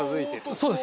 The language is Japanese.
そうです。